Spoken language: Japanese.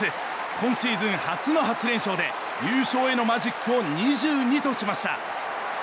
今シーズン初の８連勝で優勝へのマジックを２２としました。